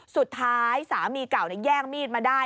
สุดท้ายสามีเก่าแย่งมีดมาได้